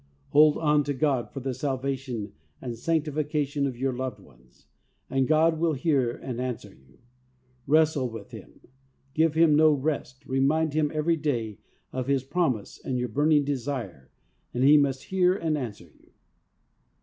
Hold on to God for the Salvation and Sanctification of your loved ones, and God will hear and answer you. Wrestle with Him, give Him no rest, remind Him every day of His promise and your burning desire, and He must hear and answer you.